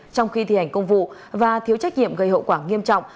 trong khi thi hành công vụ và thiếu trách nhiệm gây hậu quả nghiêm trọng